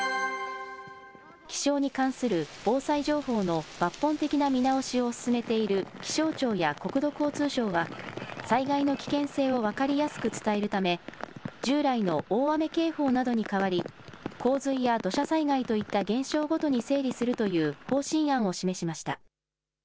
気象に関する防災情報の抜本的な見直しを進めている気象庁や国土交通省は、災害の危険性を分かりやすく伝えるため、従来の大雨警報などに代わり、洪水や土砂災害といった現象ごとに整理するという方針案を示しました。